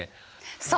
そう。